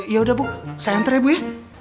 oh ya udah bu saya antre ya bu ya